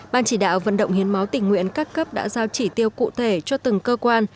ban chỉ đạo vận động hiến máu tình nguyện các cấp đã giao chỉ tiêu cụ thể cho từng cơ quan